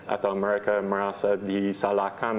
atau mereka merasa disalahkan